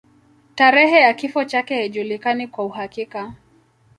Tarehe ya kifo chake haijulikani kwa uhakika.